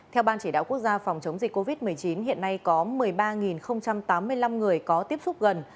theo ban chỉ đạo quốc gia phòng chống dịch covid một mươi chín hiện nay có một mươi ba tám mươi năm người có tiếp xúc gần